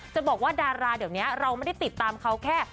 จะบอกว่าดาราเดี๋ยวนี้เราไม่ได้ติดตามเขาแค่